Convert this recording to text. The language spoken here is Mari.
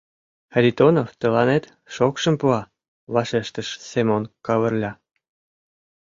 Харитонов тыланет шокшым пуа, — вашештыш Семон Кавырля.